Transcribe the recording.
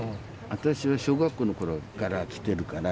私は小学校の頃から来てるから。